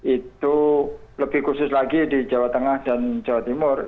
itu lebih khusus lagi di jawa tengah dan jawa timur